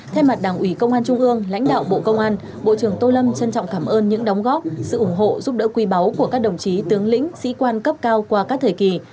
thay mặt đảng ủy công an trung ương lãnh đạo bộ công an bộ trưởng tô lâm trân trọng cảm ơn những đóng góp sự ủng hộ giúp đỡ quý báu của các đồng chí tướng lĩnh sĩ quan cấp cao qua các thời kỳ